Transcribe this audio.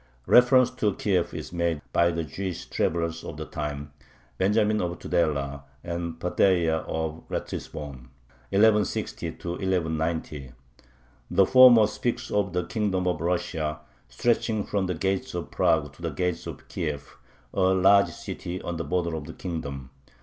Reference to Kiev is made by the Jewish travelers of the time, Benjamin of Tudela and Pethahiah of Ratisbon (1160 1190). The former speaks of "the kingdom of Russia, stretching from the gates of Prague to the gates of Kiev, a large city on the border of the kingdom."